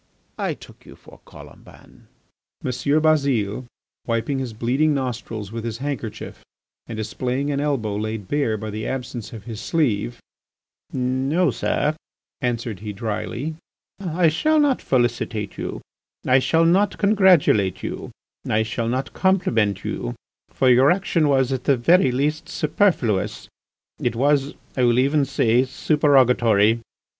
I took you for Colomban." M. Bazile, wiping his bleeding nostrils with his handkerchief and displaying an elbow laid bare by the absence of his sleeve: "No, sir," answered he drily, "I shall not felicitate you, I shall not congratulate you, I shall not compliment you, for your action was, at the very least, superfluous; it was, I will even say, supererogatory.